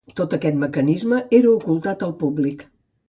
Tot aquest mecanisme era ocultat al públic.